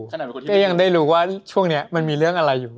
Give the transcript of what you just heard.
ก็ยังได้รู้ว่าช่วงนี้มันมีเรื่องอะไรอยู่